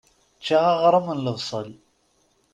Ččiɣ aɣrum n lebṣel.